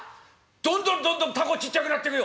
どんどんどんどん凧ちっちゃくなってくよ。